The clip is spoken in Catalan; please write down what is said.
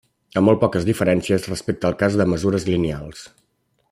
Amb molt poques diferències respecte del cas de mesures lineals.